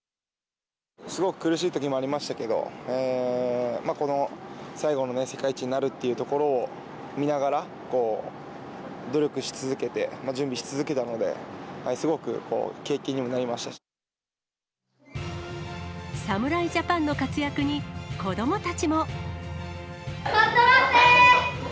すごく苦しいときもありましたけど、この最後の世界一になるっていうところを、見ながら努力し続けて、準備し続けたので、侍ジャパンの活躍に子どもたかっとばせー！